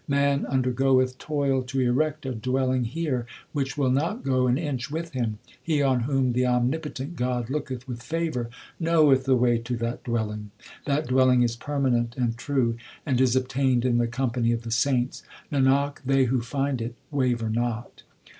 Man undergoeth toil to erect a dwelling here Which will not go an inch with him. He on whom the omnipotent God looketh with favour, Knoweth the way to that dwelling. That dwelling is permanent and true, and is obtained in the company of the saints ; Nanak, they who find it waver not.